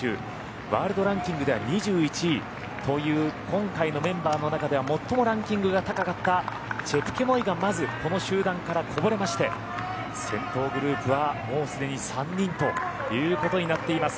ワールドランキングでは２１位という今回のメンバーの中では最もランキングが高かったチェプケモイがまずこの集団からこぼれまして先頭グループは、もうすでに３人ということになっています。